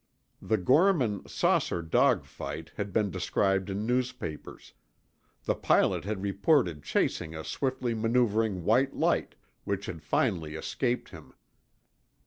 The Gorman "saucer dogfight" had been described in newspapers; the pilot had reported chasing a swiftly maneuvering white light, which had finally escaped him.